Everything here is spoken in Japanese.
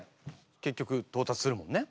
結局到達するもんね